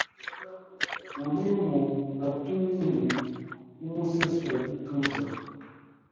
Urimu na Tumimu n’umusesuragituza.